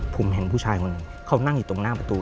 ผมเห็นผู้ชายคนหนึ่งเขานั่งอยู่ตรงหน้าประตู